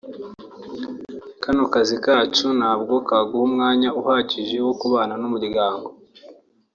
kano kazi kacu ntabwo kaguha umwanya uhagije wo kubana n’umuryango